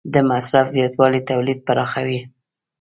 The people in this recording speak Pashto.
د مصرف زیاتوالی تولید پراخوي.